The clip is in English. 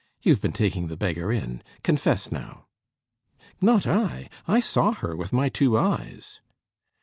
You've been taking the beggar in! Confess now." "Not I. I saw her with my two eyes."